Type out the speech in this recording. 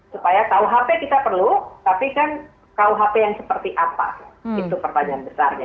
supaya tahu hp kita perlu tapi kan tahu hp yang seperti apa itu pertanyaan besarnya